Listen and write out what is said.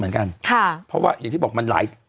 เป็นการกระตุ้นการไหลเวียนของเลือด